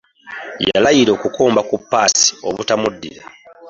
Yalayira okukomba ku ppaasi obutamuddira.